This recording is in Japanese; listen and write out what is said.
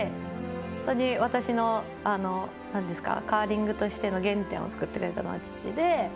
ホントに私のカーリングとしての原点をつくってくれたのは父で。